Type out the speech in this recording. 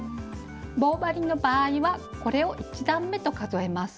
棒針の場合はこれを１段めと数えます。